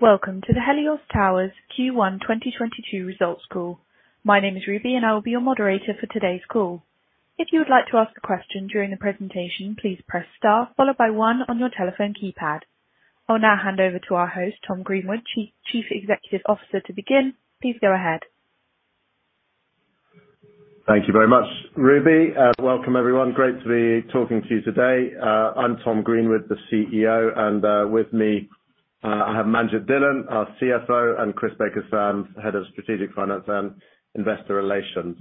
Welcome to the Helios Towers Q1 2022 results call. My name is Ruby and I will be your moderator for today's call. If you would like to ask a question during the presentation, please press star followed by one on your telephone keypad. I'll now hand over to our host, Tom Greenwood, Chief Executive Officer, to begin. Please go ahead. Thank you very much, Ruby. Welcome everyone. Great to be talking to you today. I'm Tom Greenwood, the CEO, and with me I have Manjit Dhillon, our CFO, and Chris Baker-Sams, Head of Strategic Finance and Investor Relations.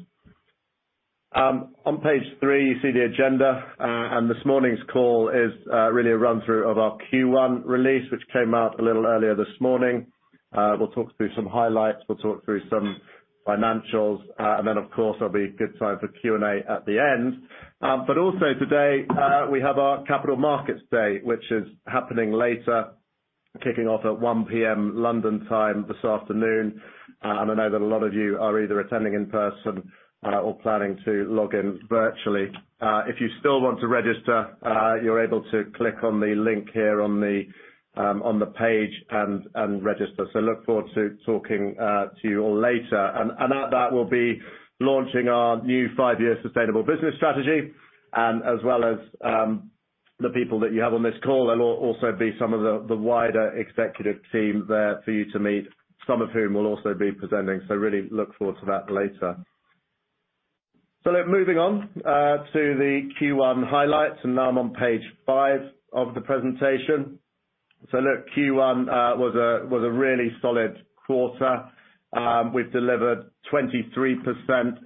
On page three, you see the agenda, and this morning's call is really a run-through of our Q1 release, which came out a little earlier this morning. We'll talk through some highlights, we'll talk through some financials, and then of course, there'll be a good time for Q&A at the end. Also today, we have our Capital Markets Day, which is happening later, kicking off at 1 P.M. London time this afternoon. I know that a lot of you are either attending in person or planning to log in virtually. If you still want to register, you're able to click on the link here on the page and register. Look forward to talking to you all later. At that, we'll be launching our new five-year sustainable business strategy, as well as the people that you have on this call. There'll also be some of the wider executive team there for you to meet, some of whom will also be presenting. Really look forward to that later. Look, moving on to the Q1 highlights, and now I'm on page five of the presentation. Look, Q1 was a really solid quarter. We've delivered 23%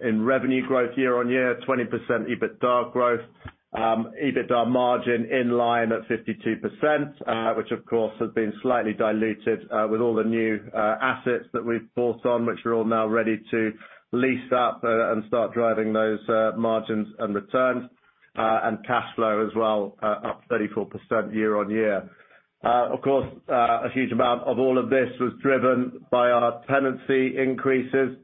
in revenue growth year-on-year, 20% EBITDA growth. EBITDA margin in line at 52%, which of course has been slightly diluted, with all the new assets that we've brought on, which are all now ready to lease up, and start driving those margins and returns. Cash flow as well, up 34% year-over-year. Of course, a huge amount of all of this was driven by our tenancy increases.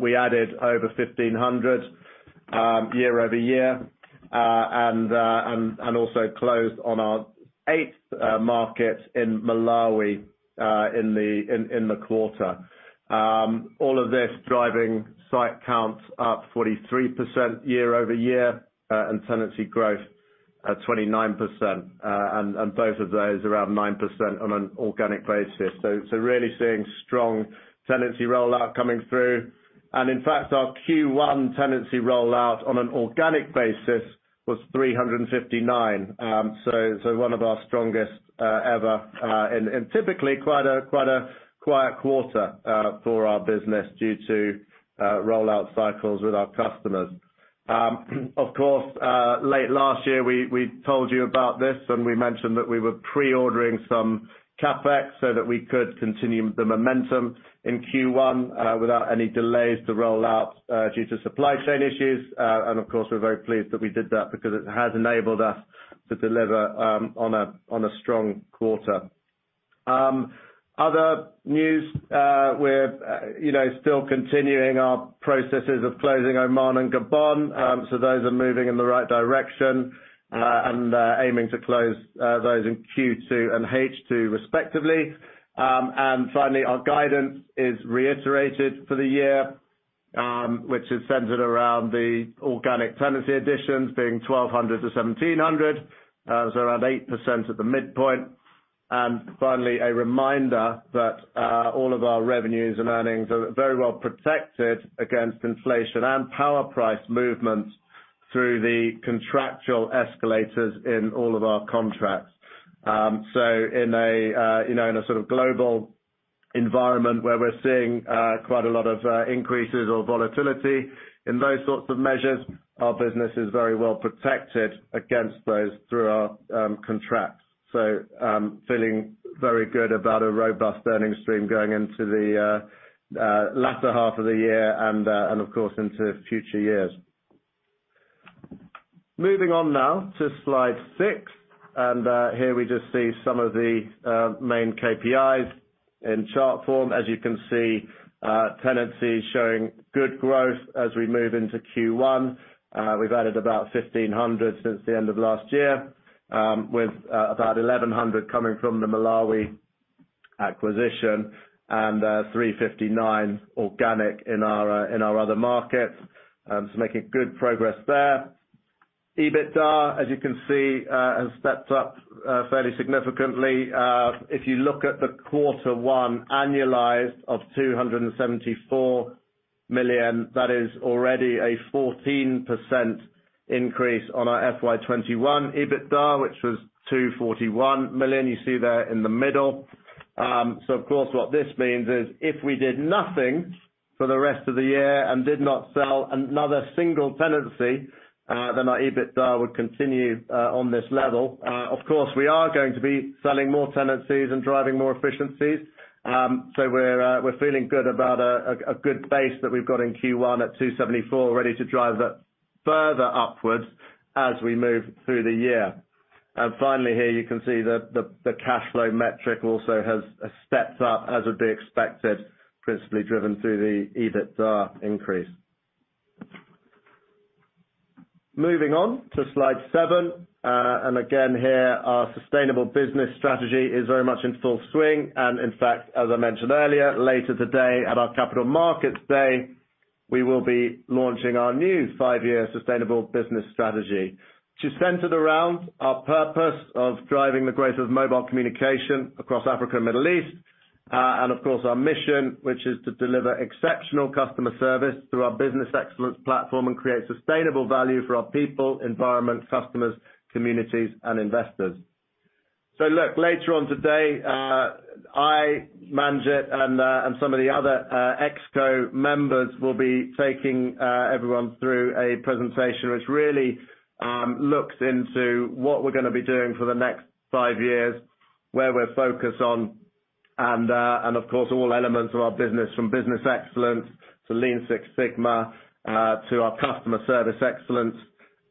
We added over 1,500 year-over-year, and also closed on our eighth market in Malawi, in the quarter. All of this driving site counts up 43% year-over-year, and tenancy growth at 29%. Both of those around 9% on an organic basis. Really seeing strong tenancy rollout coming through. In fact, our Q1 tenancy rollout on an organic basis was 359. So, one of our strongest ever in typically quite a quiet quarter for our business due to rollout cycles with our customers. Of course, late last year, we told you about this, and we mentioned that we were pre-ordering some CapEx so that we could continue the momentum in Q1 without any delays to rollout due to supply chain issues. Of course, we're very pleased that we did that because it has enabled us to deliver on a strong quarter. Other news, we're, you know, still continuing our processes of closing Oman and Gabon. Those are moving in the right direction, aiming to close those in Q2 and H2 respectively. Finally, our guidance is reiterated for the year, which is centered around the organic tenancy additions being 1,200-1,700. Around 8% at the midpoint. Finally, a reminder that all of our revenues and earnings are very well protected against inflation and power price movements through the contractual escalators in all of our contracts. You know, in a sort of global environment where we're seeing quite a lot of increases or volatility in those sorts of measures, our business is very well protected against those through our contracts. Feeling very good about a robust earnings stream going into the latter half of the year and, of course, into future years. Moving on now to slide six, here we just see some of the main KPIs in chart form. As you can see, tenancy showing good growth as we move into Q1. We've added about 1,500 since the end of last year, with about 1,100 coming from the Malawi acquisition and 359 organic in our other markets. Making good progress there. EBITDA, as you can see, has stepped up fairly significantly. If you look at the quarter one annualized of $274 million, that is already a 14% increase on our FY 2021 EBITDA, which was $241 million you see there in the middle. Of course, what this means is if we did nothing for the rest of the year and did not sell another single tenancy, then our EBITDA would continue on this level. Of course, we are going to be selling more tenancies and driving more efficiencies. We're feeling good about a good base that we've got in Q1 at $274 million, ready to drive that further upwards as we move through the year. Finally, here, you can see the cash flow metric also has stepped up as would be expected, principally driven through the EBITDA increase. Moving on to slide seven. Again here, our sustainable business strategy is very much in full swing. In fact, as I mentioned earlier, later today at our Capital Markets Day, we will be launching our new five-year sustainable business strategy. Which is centered around our purpose of driving the growth of mobile communication across Africa and Middle East, and of course our mission, which is to deliver exceptional customer service through our business excellence platform and create sustainable value for our people, environment, customers, communities and investors. Look, later on today, I, Manjit and some of the other ExCo members will be taking everyone through a presentation which really looks into what we're gonna be doing for the next five years, where we're focused on, and of course, all elements of our business from business excellence to Lean Six Sigma to our customer service excellence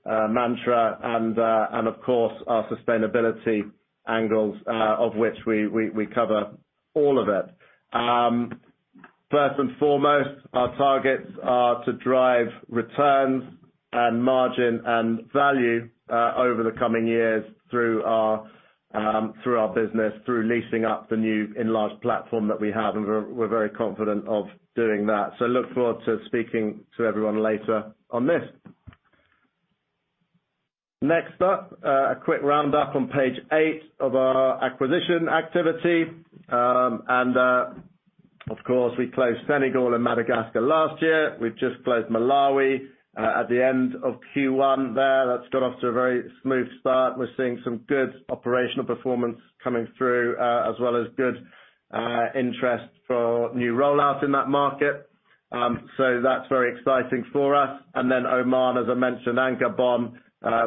mantra and of course our sustainability angles, of which we cover all of it. First and foremost, our targets are to drive returns and margin and value over the coming years through our business, through leasing up the new enlarged platform that we have and we're very confident of doing that. Look forward to speaking to everyone later on this. Next up, a quick roundup on page eight of our acquisition activity. Of course, we closed Senegal and Madagascar last year. We've just closed Malawi at the end of Q1 there. That's got off to a very smooth start. We're seeing some good operational performance coming through, as well as good interest for new rollouts in that market. That's very exciting for us. Then Oman, as I mentioned, and Gabon,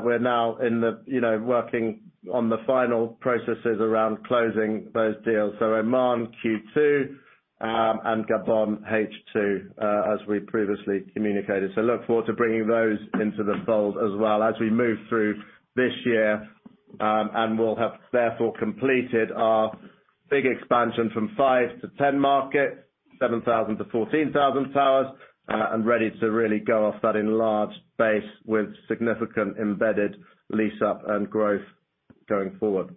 we're now in the, you know, working on the final processes around closing those deals. Oman Q2, and Gabon H2, as we previously communicated. Look forward to bringing those into the fold as well as we move through this year, and we'll have therefore completed our big expansion from five-10 markets, 7,000-14,000 towers, and ready to really go off that enlarged base with significant embedded lease up and growth going forward.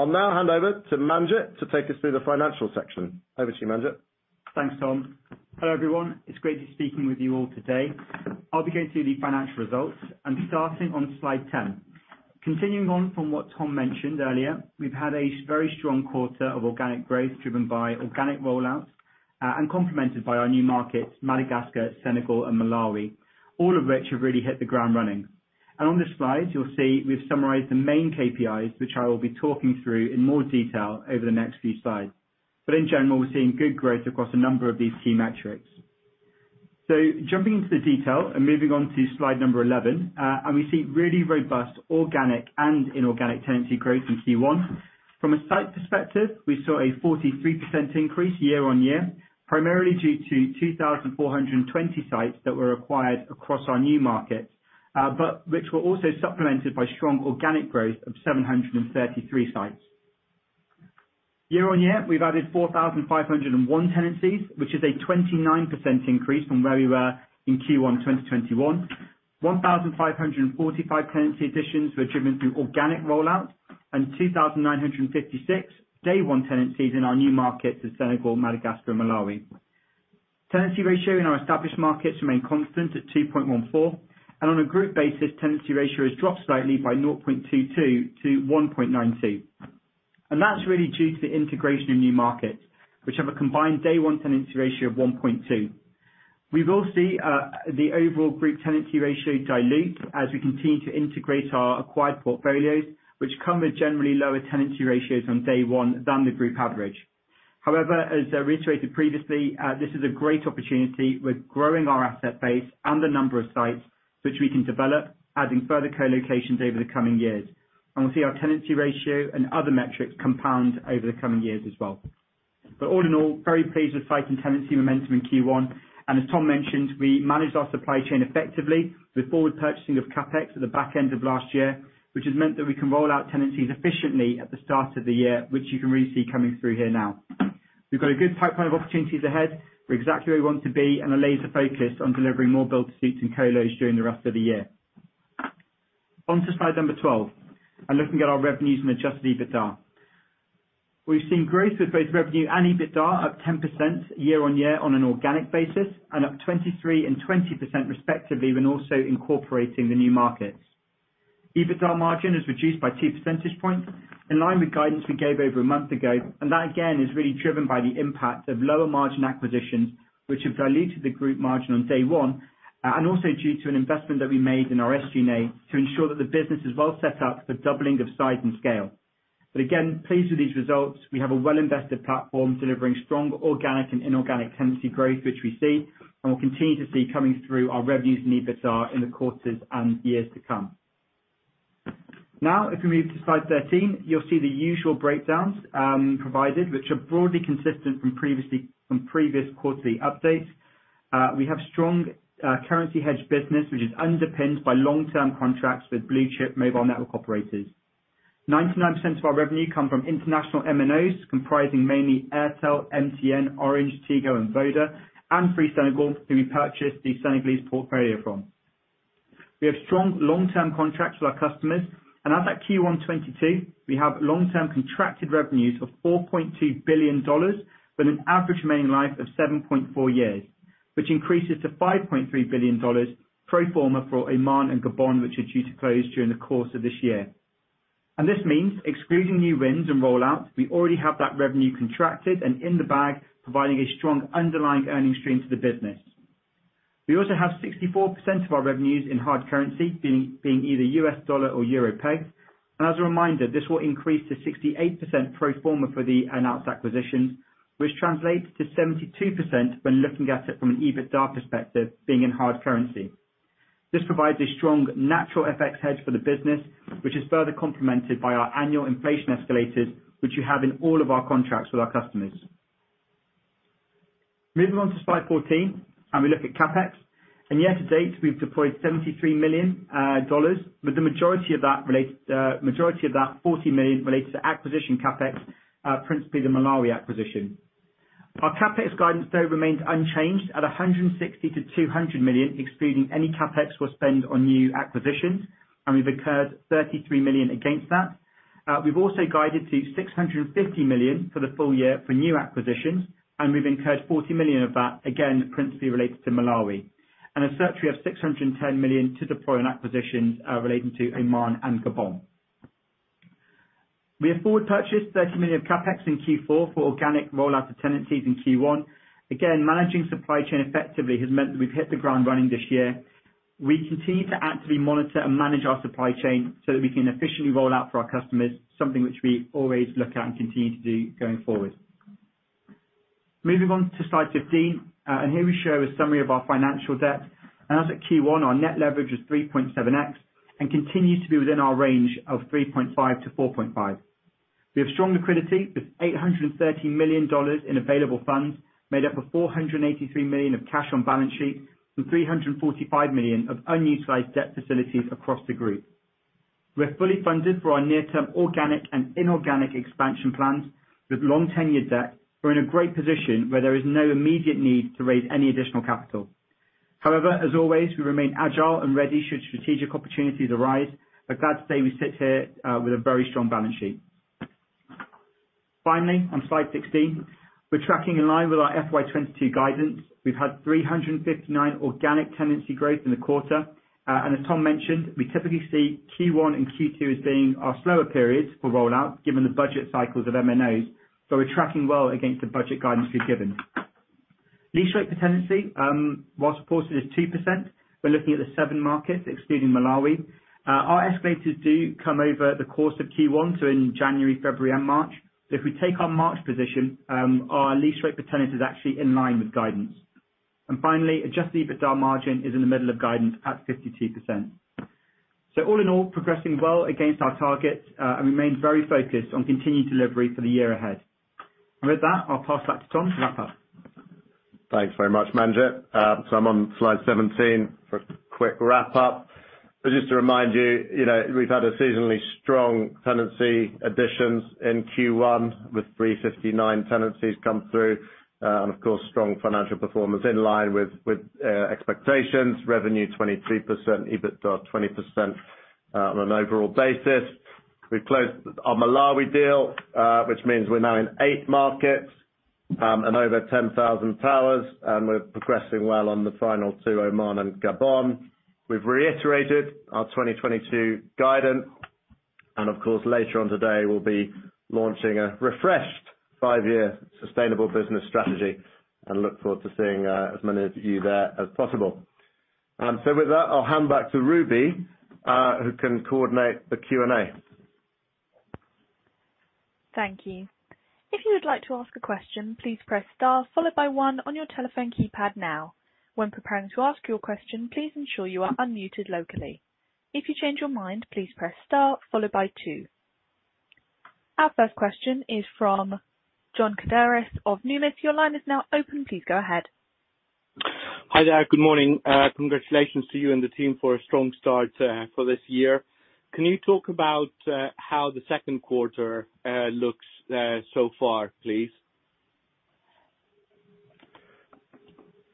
I'll now hand over to Manjit to take us through the financial section. Over to you, Manjit. Thanks, Tom. Hello everyone. It's great just speaking with you all today. I'll be going through the financial results and starting on slide 10. Continuing on from what Tom mentioned earlier, we've had a very strong quarter of organic growth driven by organic rollouts, and complemented by our new markets Madagascar, Senegal and Malawi, all of which have really hit the ground running. On this slide you'll see we've summarized the main KPIs which I will be talking through in more detail over the next few slides. In general, we're seeing good growth across a number of these key metrics. Jumping into the detail and moving on to slide number 11. We see really robust organic and inorganic tenancy growth in Q1. From a site perspective, we saw a 43% increase year-on-year, primarily due to 2,400 sites that were acquired across our new markets, but which were also supplemented by strong organic growth of 733 sites. Year-on-year we've added 4,501 tenancies, which is a 29% increase from where we were in Q1 2021. 1,545 tenancy additions were driven through organic roll out and 2,956 day one tenancies in our new markets of Senegal, Madagascar and Malawi. Tenancy ratio in our established markets remain constant at 2.14. On a group basis, tenancy ratio has dropped slightly by 0.22-1.92. That's really due to the integration of new markets which have a combined day one tenancy ratio of 1.2. We will see the overall group tenancy ratio dilute as we continue to integrate our acquired portfolios which come with generally lower tenancy ratios on day one than the group average. However, as reiterated previously, this is a great opportunity. We're growing our asset base and the number of sites which we can develop, adding further co-locations over the coming years. We'll see our tenancy ratio and other metrics compound over the coming years as well. All in all, very pleased with site and tenancy momentum in Q1. As Tom mentioned, we managed our supply chain effectively with forward purchasing of CapEx at the back end of last year, which has meant that we can roll out tenancies efficiently at the start of the year, which you can really see coming through here now. We've got a good pipeline of opportunities ahead. We're exactly where we want to be and are laser focused on delivering more build-to-suit and colos during the rest of the year. On to slide number 12 and looking at our revenues and adjusted EBITDA. We've seen growth with both revenue and EBITDA up 10% year-on-year on an organic basis, and up 23% and 20% respectively when also incorporating the new markets. EBITDA margin is reduced by two percentage points in line with guidance we gave over a month ago. That again is really driven by the impact of lower margin acquisitions which have diluted the group margin on day one, and also due to an investment that we made in our SG&A to ensure that the business is well set up for doubling of size and scale. Again, pleased with these results. We have a well-invested platform delivering strong organic and inorganic tenancy growth which we see and will continue to see coming through our revenues and EBITDA in the quarters and years to come. Now if we move to slide 13, you'll see the usual breakdowns provided which are broadly consistent from previous quarterly updates. We have strong currency hedge business which is underpinned by long-term contracts with blue chip mobile network operators. 99% of our revenue come from international MNOs, comprising mainly Airtel, MTN, Orange, Tigo, and Vodafone, and Free Senegal, who we purchased the Senegalese portfolio from. We have strong long-term contracts with our customers, and as at Q1 2022, we have long-term contracted revenues of $4.2 billion, with an average remaining life of 7.4 years, which increases to $5.3 billion pro forma for Oman and Gabon, which are due to close during the course of this year. This means excluding new wins and rollouts, we already have that revenue contracted and, in the bag, providing a strong underlying earnings stream to the business. We also have 64% of our revenues in hard currency being either US dollar or euro-pegged. As a reminder, this will increase to 68% pro forma for the announced acquisitions, which translates to 72% when looking at it from an EBITDA perspective, being in hard currency. This provides a strong natural FX hedge for the business, which is further complemented by our annual inflation escalators, which we have in all of our contracts with our customers. Moving on to slide 14, we look at CapEx. Year-to-date, we've deployed $73 million dollars, but the majority of that, $40 million related to acquisition CapEx, principally the Malawi acquisition. Our CapEx guidance though remains unchanged at $160 million-$200 million, excluding any CapEx we'll spend on new acquisitions, and we've incurred $33 million against that. We've also guided to $650 million for the full year for new acquisitions, and we've incurred $40 million of that, again, principally related to Malawi. As such, we have $610 million to deploy on acquisitions, relating to Oman and Gabon. We have forward purchased $30 million of CapEx in Q4 for organic rollout to tenancies in Q1. Again, managing supply chain effectively has meant that we've hit the ground running this year. We continue to actively monitor and manage our supply chain so that we can efficiently roll out for our customers, something which we always look at and continue to do going forward. Moving on to slide 15, and here we show a summary of our financial debt. As at Q1, our net leverage was 3.7x and continues to be within our range of 3.5-4.5. We have strong liquidity with $830 million in available funds, made up of $483 million of cash on balance sheet and $345 million of unutilized debt facilities across the group. We're fully funded for our near-term organic and inorganic expansion plans with long tenor debt. We're in a great position where there is no immediate need to raise any additional capital. However, as always, we remain agile and ready should strategic opportunities arise. We're glad to say we sit here with a very strong balance sheet. Finally, on slide 16, we're tracking in line with our FY 2022 guidance. We've had 359 organic tenancy growth in the quarter. As Tom mentioned, we typically see Q1 and Q2 as being our slower periods for rollout given the budget cycles of MNOs, so we're tracking well against the budget guidance we've given. Lease rate per tenancy, while reported as 2%, we're looking at the seven markets excluding Malawi. Our escalators do come over the course of Q1, so in January, February and March. If we take our March position, our lease rate per tenant is actually in line with guidance. Finally, adjusted EBITDA margin is in the middle of guidance at 52%. All in all, progressing well against our targets and remain very focused on continued delivery for the year ahead. With that, I'll pass back to Tom for wrap up. Thanks very much, Manjit. I'm on slide 17 for a quick wrap up. Just to remind you know, we've had a seasonally strong tenancy additions in Q1 with 359 tenancies come through, and of course, strong financial performance in line with expectations, revenue 23%, EBITDA 20%, on an overall basis. We've closed our Malawi deal, which means we're now in eight markets, and over 10,000 towers, and we're progressing well on the final two, Oman and Gabon. We've reiterated our 2022 guidance, and of course, later on today we'll be launching a refreshed five-year sustainable business strategy and look forward to seeing as many of you there as possible. With that, I'll hand back to Ruby, who can coordinate the Q&A. Thank you. If you would like to ask a question, please press star followed by one on your telephone keypad now. When preparing to ask your question, please ensure you are unmuted locally. If you change your mind, please press star followed by two. Our first question is from John Karidis of Numis. Your line is now open. Please go ahead. Hi there. Good morning. Congratulations to you and the team for a strong start for this year. Can you talk about how the second quarter looks so far, please?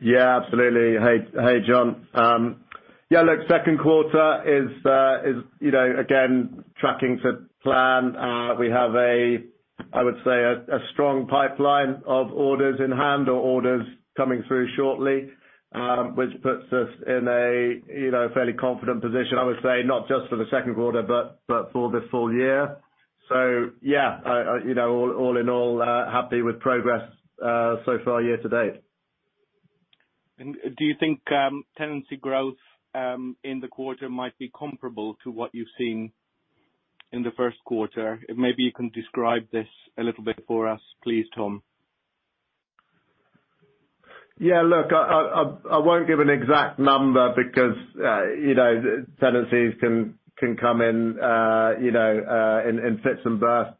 Yeah, absolutely. Hey, John Karidis. Yeah, look, second quarter is, you know, again tracking to plan. We have a, I would say, a strong pipeline of orders in hand or orders coming through shortly, which puts us in a, you know, fairly confident position, I would say, not just for the second quarter, but for the full year. Yeah, you know, all in all, happy with progress so far year-to-date. Do you think tenancy growth in the quarter might be comparable to what you've seen in the first quarter? Maybe you can describe this a little bit for us, please, Tom. Yeah, look, I won't give an exact number because, you know, tenancies can come in, you know, in fits and bursts.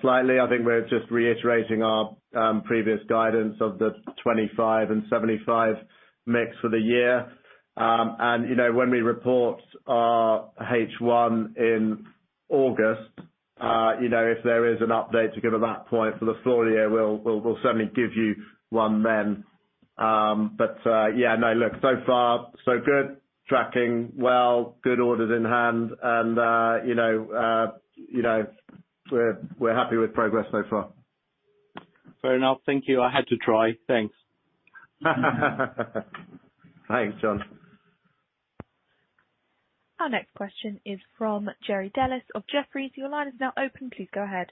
Slightly. I think we're just reiterating our previous guidance of the 25%-75% mix for the year. You know, when we report our H1 in August, you know, if there is an update to give at that point for the full year, we'll certainly give you one then. Yeah, no, look, so far, so good. Tracking well, good orders in hand and, you know, we're happy with progress so far. Fair enough. Thank you. I had to try. Thanks. Thanks, John. Our next question is from Jerry Dellis of Jefferies. Your line is now open, please go ahead.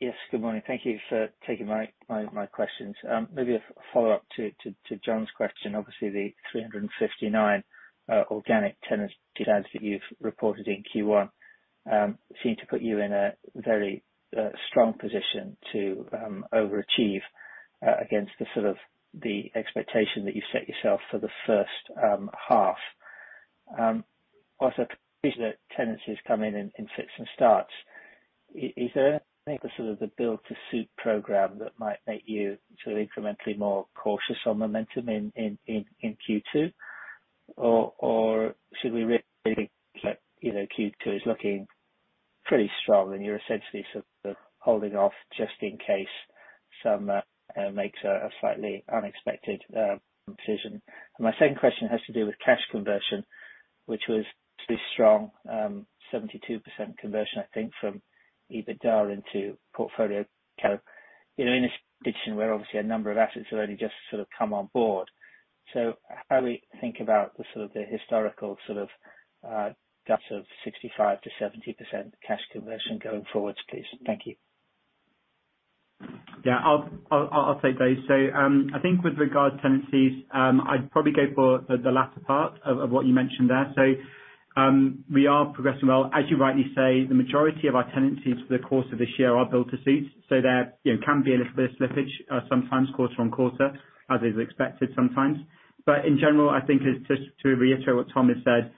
Yes, good morning. Thank you for taking my questions. Maybe a follow-up to John's question. Obviously, the 359 organic tenant deals that you've reported in Q1 seem to put you in a very strong position to overachieve against the sort of the expectation that you set yourself for the first half. Also, tenancies come in fits and starts. Is there maybe sort of the build-to-suit program that might make you sort of incrementally more cautious on momentum in Q2? Or should we really look at, you know, Q2 is looking pretty strong and you're essentially sort of holding off just in case someone makes a slightly unexpected decision. My second question has to do with cash conversion, which was pretty strong, 72% conversion, I think, from EBITDA into portfolio kind of, you know, in a situation where obviously a number of assets have only just sort of come on board. How do we think about the sort of the historical sort of guts of 65%-70% cash conversion going forwards, please? Thank you. Yeah, I'll take both. I think with regard to tenancies, I'd probably go for the latter part of what you mentioned there. We are progressing well. As you rightly say, the majority of our tenancies for the course of this year are build-to-suit. There, you know, can be a little bit of slippage sometimes quarter-on-quarter, as is expected sometimes. In general, I think just to reiterate what Tom said,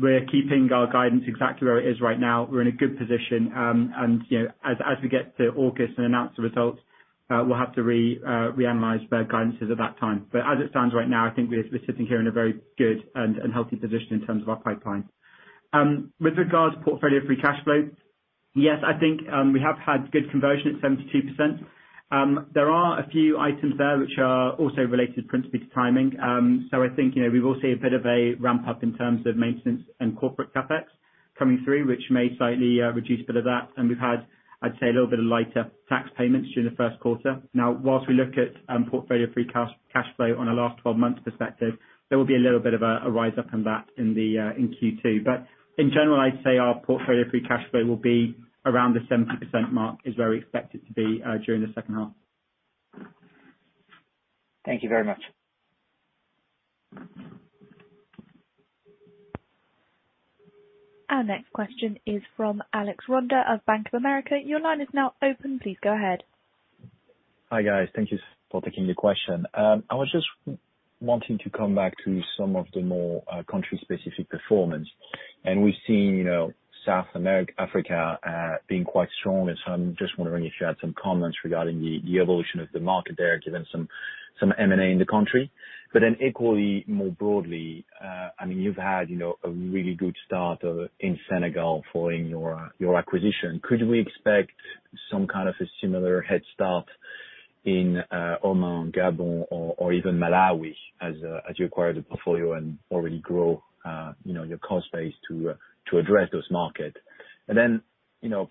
we're keeping our guidance exactly where it is right now. We're in a good position. You know, as we get to August and announce the results, we'll have to re-analyze the guidances at that time. As it stands right now, I think we're sitting here in a very good and healthy position in terms of our pipeline. With regards to portfolio free cash flow, yes, I think we have had good conversion at 72%. There are a few items there which are also related principally to timing. I think, you know, we will see a bit of a ramp up in terms of maintenance and corporate CapEx coming through, which may slightly reduce a bit of that. We've had, I'd say, a little bit of lighter tax payments during the first quarter. Now, while we look at portfolio free cash flow on a last 12 months perspective, there will be a little bit of a rise up in that in Q2. In general, I'd say our portfolio free cash flow will be around the 70% mark, is where we expect it to be, during the second half. Thank you very much. Our next question is from Alec Ronda of Bank of America. Your line is now open, please go ahead. Hi, guys. Thank you for taking the question. I was just wanting to come back to some of the more country specific performance. We've seen, you know, Africa being quite strong. I'm just wondering if you had some comments regarding the evolution of the market there, given some M&A in the country. But then equally more broadly, I mean, you've had, you know, a really good start in Senegal following your acquisition. Could we expect some kind of a similar head start in Oman, Gabon or even Malawi as you acquire the portfolio and already grow, you know, your cost base to address those markets?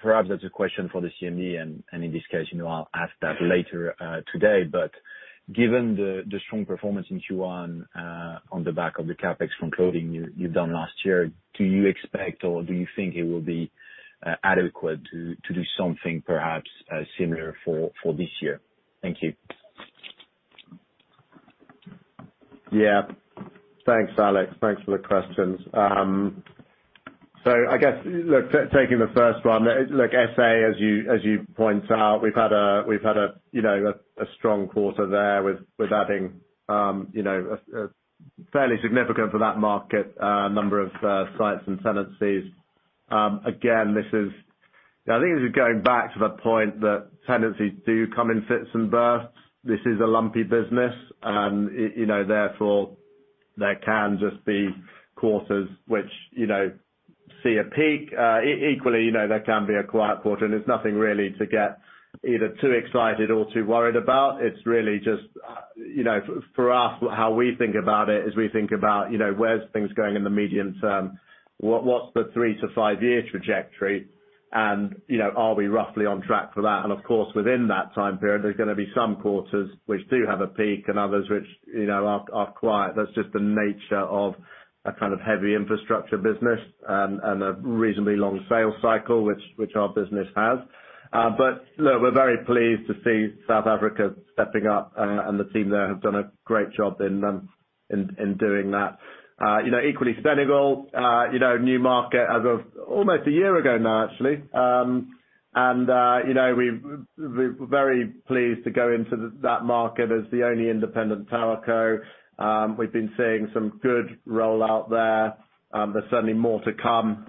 Perhaps that's a question for the CMD and in this case, you know, I'll ask that later today. Given the strong performance in Q1, on the back of the CapEx from pre-ordering you've done last year, do you expect or do you think it will be adequate to do something perhaps similar for this year? Thank you. Yeah. Thanks, Alex. Thanks for the questions. So I guess, look, taking the first one, look, SA, as you point out, we've had a strong quarter there with adding a fairly significant for that market number of sites and tenancies. Again, I think this is going back to the point that tenancies do come in fits and bursts. This is a lumpy business, you know, therefore, there can just be quarters which, you know, see a peak. Equally, you know, there can be a quiet quarter, and it's nothing really to get either too excited or too worried about. It's really just, you know, for us, how we think about it, is we think about, you know, where's things going in the medium term? What's the three-five-year trajectory? You know, are we roughly on track for that? Of course, within that time period, there's gonna be some quarters which do have a peak and others which, you know, are quiet. That's just the nature of a kind of heavy infrastructure business and a reasonably long sales cycle which our business has. Look, we're very pleased to see South Africa stepping up and the team there have done a great job in doing that. You know, equally Senegal, you know, new market as of almost a year ago now, actually. We're very pleased to go into that market as the only independent tower co. We've been seeing some good rollout there. There's certainly more to come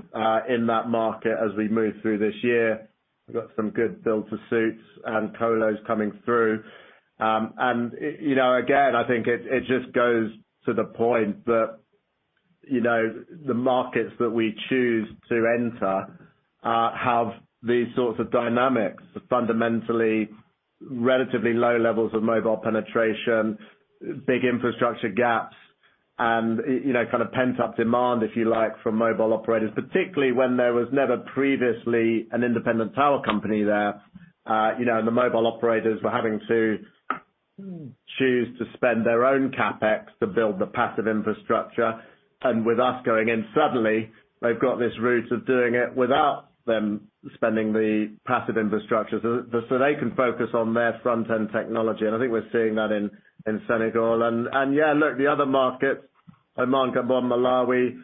in that market as we move through this year. We've got some good build-to-suits and colos coming through. You know, again, I think it just goes to the point that you know, the markets that we choose to enter have these sorts of dynamics, fundamentally relatively low levels of mobile penetration, big infrastructure gaps and you know, kind of pent up demand, if you like, from mobile operators, particularly when there was never previously an independent tower company there. You know, and the mobile operators were having to choose to spend their own CapEx to build the passive infrastructure. With us going in, suddenly they've got this route of doing it without them spending the passive infrastructure, so they can focus on their front-end technology. I think we're seeing that in Senegal. Yeah, look, the other markets, Oman, Gabon, Malawi,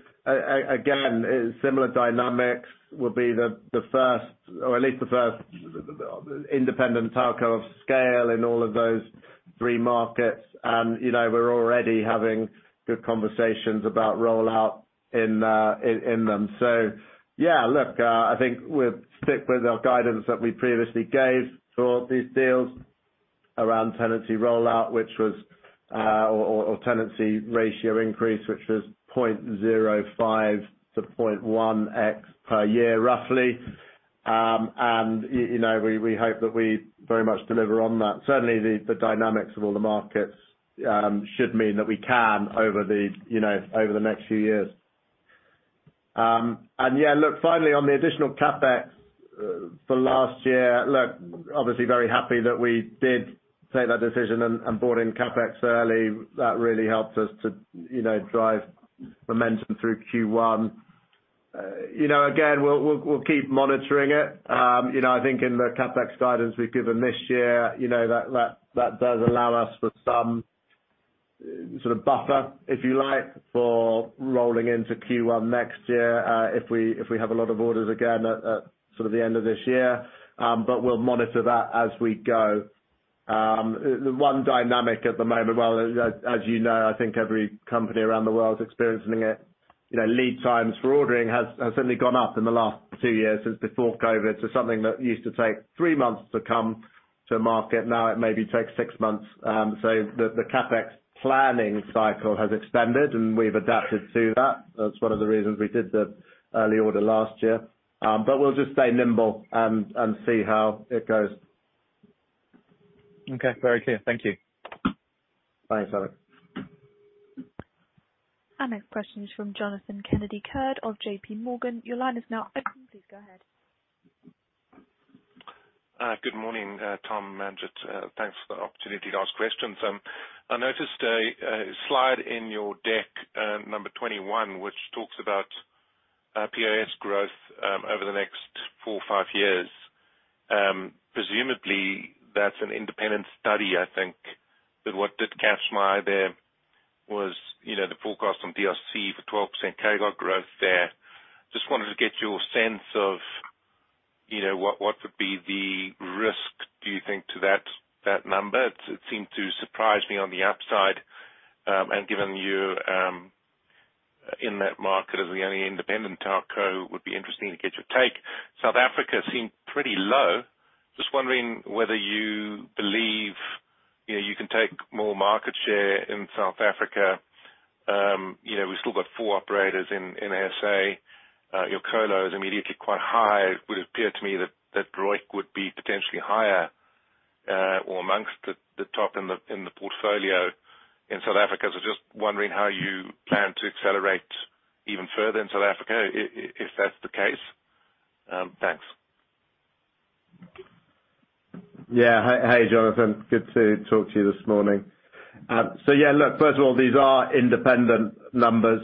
similar dynamics will be the first or at least the first independent tower co of scale in all of those three markets. You know, we're already having good conversations about rollout in them. Yeah, look, I think we'll stick with our guidance that we previously gave for these deals around tenancy rollout, which was or tenancy ratio increase, which was 0.05x-0.1x per year, roughly. You know, we hope that we very much deliver on that. Certainly, the dynamics of all the markets should mean that we can over the next few years. Yeah, look, finally on the additional CapEx for last year, look, obviously very happy that we did take that decision and brought in CapEx early. That really helped us to, you know, drive momentum through Q1. You know, again, we'll keep monitoring it. You know, I think in the CapEx guidance we've given this year, you know, that does allow us for some sort of buffer, if you like, for rolling into Q1 next year, if we have a lot of orders again at sort of the end of this year. We'll monitor that as we go. The one dynamic at the moment, well, as you know, I think every company around the world is experiencing it, you know, lead times for ordering has certainly gone up in the last two years since before COVID. Something that used to take three months to come to market, now it maybe takes six months. The CapEx planning cycle has extended, and we've adapted to that. That's one of the reasons we did the early order last year. We'll just stay nimble and see how it goes. Okay. Very clear. Thank you. Thanks, Alex. Our next question is from Jonathan Kennedy-Good of JPMorgan. Your line is now open. Please go ahead. Good morning, Tom, Manjit. Thanks for the opportunity to ask questions. I noticed a slide in your deck, number 21, which talks about POS growth over the next four or five years. Presumably that's an independent study, I think. What did catch my eye there was, you know, the forecast on DRC for 12% CAGR growth there. Just wanted to get your sense of, you know, what would be the risk, do you think, to that number? It seemed to surprise me on the upside. Given you're in that market as the only independent tower co, would be interesting to get your take. South Africa seemed pretty low. Just wondering whether you believe, you know, you can take more market share in South Africa. You know, we've still got four operators in SA. Your colos is immediately quite high. It would appear to me that ROIC would be potentially higher, or amongst the top in the portfolio in South Africa. Just wondering how you plan to accelerate even further in South Africa, if that's the case. Thanks. Yeah. Hi, Jonathan. Good to talk to you this morning. Look, first of all, these are independent numbers.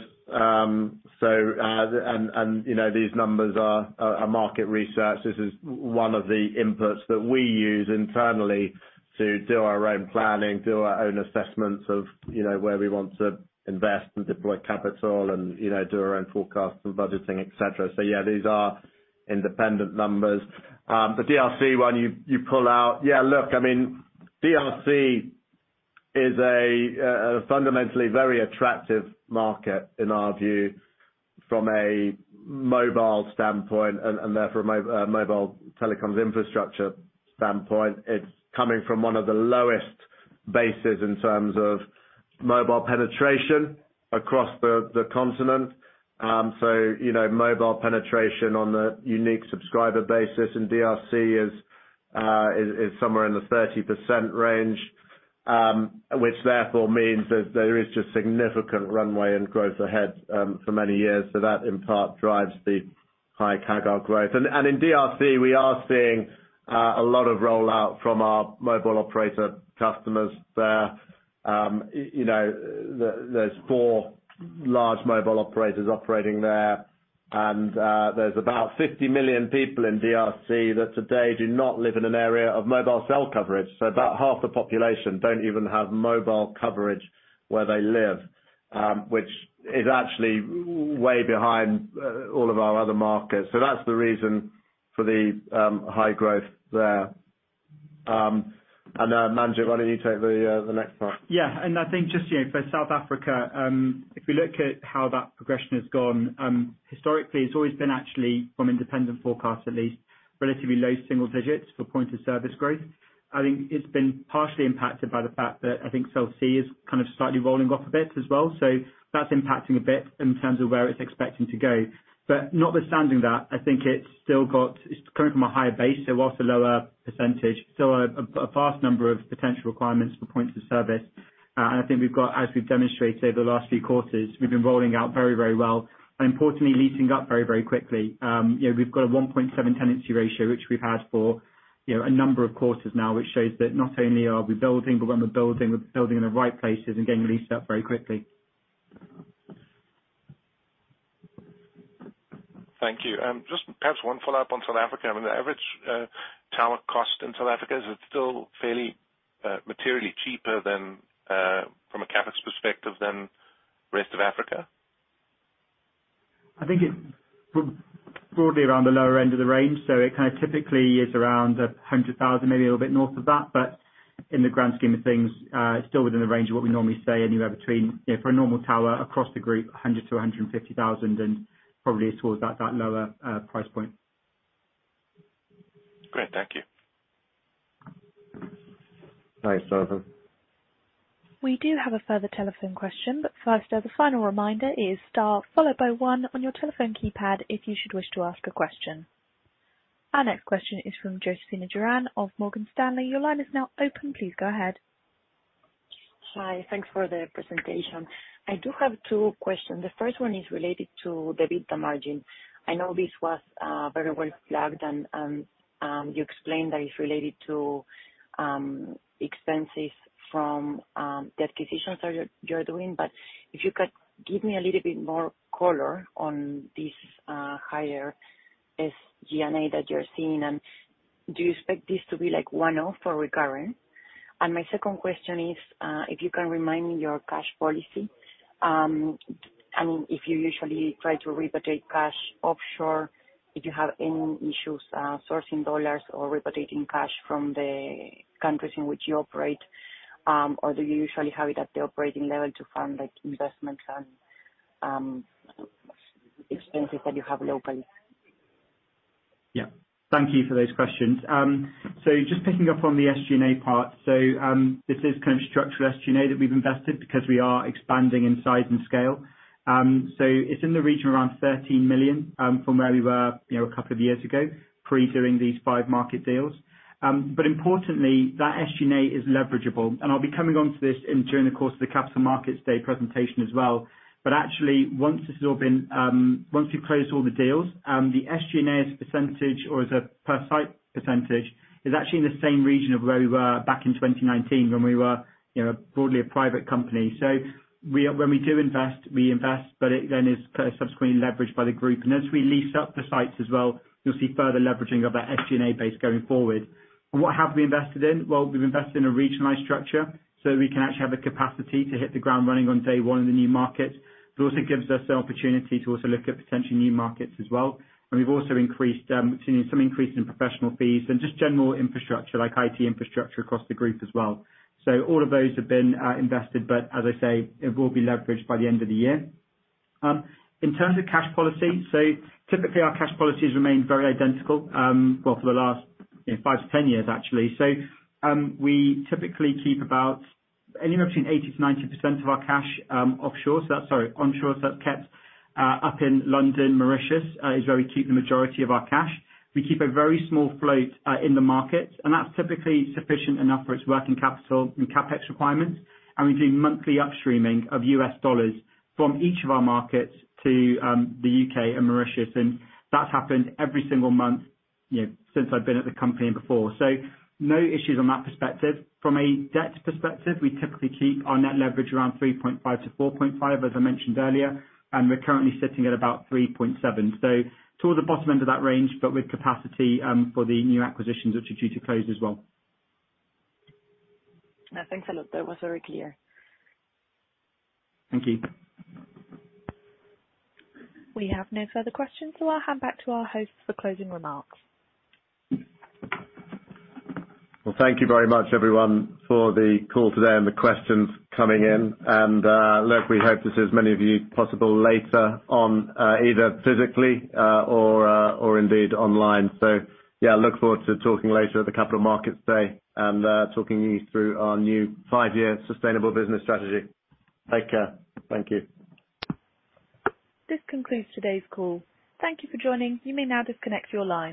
You know, these numbers are market research. This is one of the inputs that we use internally to do our own planning, do our own assessments of, you know, where we want to invest and deploy capital and, you know, do our own forecasts and budgeting, et cetera. Yeah, these are independent numbers. The DRC one you pull out. Yeah, look, I mean, DRC is a fundamentally very attractive market in our view, from a mobile standpoint and therefore mobile telecoms infrastructure standpoint. It's coming from one of the lowest bases in terms of mobile penetration across the continent. You know, mobile penetration on a unique subscriber basis in DRC is somewhere in the 30% range, which therefore means that there is just significant runway and growth ahead for many years. That in part drives the high CAGR growth. In DRC, we are seeing a lot of rollout from our mobile operator customers there. You know, there are four large mobile operators operating there, and there are about 50 million people in DRC that today do not live in an area of mobile cell coverage. About half the population don't even have mobile coverage where they live, which is actually way behind all of our other markets. That's the reason for the high growth there. Manjit, why don't you take the next part? Yeah. I think just, you know, for South Africa, if we look at how that progression has gone, historically it's always been actually from independent forecasts, at least, relatively low single digits for point of service growth. I think it's been partially impacted by the fact that I think Cell C is kind of slightly rolling off a bit as well. That's impacting a bit in terms of where it's expecting to go. Notwithstanding that, I think it's still coming from a higher base, so whilst a lower percentage, still a vast number of potential requirements for points of service. I think we've got, as we've demonstrated the last few quarters, we've been rolling out very, very well and importantly leasing up very, very quickly. You know, we've got a 1.7 tenancy ratio, which we've had for, you know, a number of quarters now, which shows that not only are we building, but when we're building, we're building in the right places and getting leased up very quickly. Thank you. Just perhaps one follow-up on South Africa. I mean, the average tower cost in South Africa, is it still fairly materially cheaper than from a CapEx perspective than rest of Africa? I think it's probably broadly around the lower end of the range, so it kind of typically is around $100,000, maybe a little bit north of that. In the grand scheme of things, it's still within the range of what we normally say, anywhere between, you know, for a normal tower across the group, $100,000-$150,000, and probably towards that lower price point. Great. Thank you. Thanks, Stefan. We do have a further telephone question, but first, the final reminder is star followed by one on your telephone keypad if you should wish to ask a question. Our next question is from Josefina Duran of Morgan Stanley. Your line is now open. Please go ahead. Hi. Thanks for the presentation. I do have two questions. The first one is related to the EBITDA margin. I know this was very well flagged, and you explained that it's related to expenses from the acquisitions that you're doing. But if you could give me a little bit more color on this higher SG&A that you're seeing, and do you expect this to be like one-off or recurring? My second question is, if you can remind me your cash policy, I mean, if you usually try to repatriate cash offshore, if you have any issues sourcing dollars or repatriating cash from the countries in which you operate, or do you usually have it at the operating level to fund like investments and expenses that you have locally? Yeah. Thank you for those questions. Just picking up on the SG&A part. This is kind of structural SG&A that we've invested because we are expanding in size and scale. It's in the region around $13 million, from where we were, you know, a couple of years ago, pre doing these five market deals. Importantly, that SG&A is leverageable, and I'll be coming onto this during the course of the Capital Markets Day presentation as well. Actually, once this has all been, once we've closed all the deals, the SG&A as a percentage or as a per site percentage is actually in the same region of where we were back in 2019 when we were, you know, broadly a private company. When we do invest, we invest, but it then is kinda subsequently leveraged by the group. As we lease up the sites as well, you'll see further leveraging of that SG&A base going forward. What have we invested in? Well, we've invested in a regionalized structure, so we can actually have the capacity to hit the ground running on day one in the new markets. It also gives us the opportunity to also look at potential new markets as well. We've also increased, you know, some increase in professional fees and just general infrastructure like IT infrastructure across the group as well. All of those have been invested, but as I say, it will be leveraged by the end of the year. In terms of cash policy, typically our cash policies remain very identical, well for the last, you know, five-10 years actually. We typically keep about anywhere between 80%-90% of our cash onshore. That's kept up in London. Mauritius is where we keep the majority of our cash. We keep a very small float in the market, and that's typically sufficient enough for its working capital and CapEx requirements. We do monthly upstreaming of U.S. dollars from each of our markets to the U.K. and Mauritius. That's happened every single month, you know, since I've been at the company and before. No issues on that perspective. From a debt perspective, we typically keep our net leverage around 3.5-4.5, as I mentioned earlier, and we're currently sitting at about 3.7. Towards the bottom end of that range, but with capacity for the new acquisitions which are due to close as well. Yeah. Thanks a lot. That was very clear. Thank you. We have no further questions, so I'll hand back to our host for closing remarks. Well, thank you very much everyone for the call today and the questions coming in. Look, we hope to see as many of you as possible later on, either physically, or indeed online. Yeah, look forward to talking later at the Capital Markets Day and talking you through our new five-year sustainable business strategy. Take care. Thank you. This concludes today's call. Thank you for joining. You may now disconnect your line.